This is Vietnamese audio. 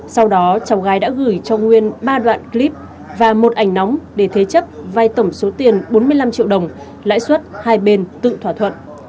sau đó cháu gái đã gửi cho nguyên ba đoạn clip và một ảnh nóng để thế chấp vai tổng số tiền bốn mươi năm triệu đồng lãi suất hai bên tự thỏa thuận